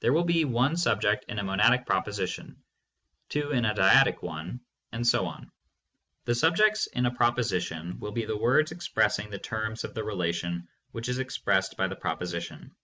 There will be one subject in a monadic proposition, two in a dyadic one, and so on. The subjects in a proposition will be the words expressing the terms of the relation which is expressed by the proposition.